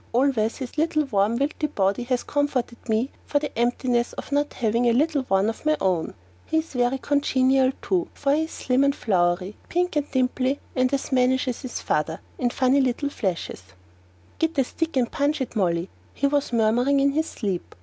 Always his little, warm, wilty body has comforted me for the emptiness of not having a little one of my own. And he's very congenial, too, for he's slim and flowery, pink and dimply, and as mannish as his father, in funny little flashes. "Git a stick to punch it, Molly," he was murmuring in his sleep.